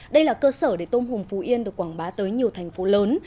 đây là cơ sở để tôm hùm phú yên được quảng bá tới nhiều thành phố lớn